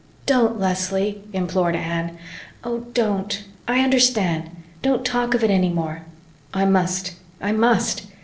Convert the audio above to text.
"Don't, Leslie," implored Anne, "oh, don't. I understand don't talk of it any more." "I must I must.